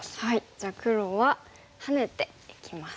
じゃあ黒はハネていきます。